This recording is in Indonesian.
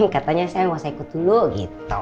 katanya saya mau saya ikut dulu gitu